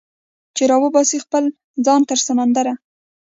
چې راوباسي خپل ځان تر سمندره